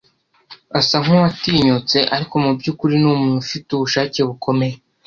Asa nkuwatinyutse, ariko mubyukuri ni umuntu ufite ubushake bukomeye